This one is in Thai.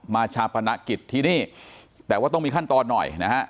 ชาปนกิจที่นี่แต่ว่าต้องมีขั้นตอนหน่อยนะฮะ